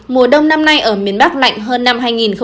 mùa đông năm nay ở miền bắc lạnh hơn năm hai nghìn hai mươi